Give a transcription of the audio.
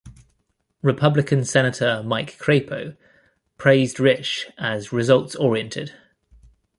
Republican Senator Mike Crapo praised Risch as "results-oriented".